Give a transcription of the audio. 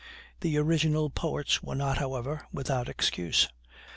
The original poets were not, however, without excuse.